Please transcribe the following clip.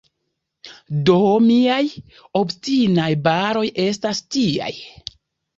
Do miaj “obstinaj baroj” estas tiaj.